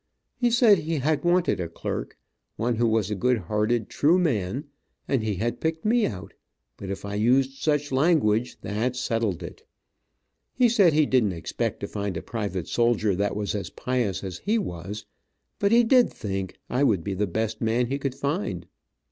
He said he had wanted a clerk, one who was a good hearted, true man, and he had picked me out, but if I used such language, that settled it. He said he didn't expect to find a private soldier that was as pious as he was, but he did think I would be the best man he could find.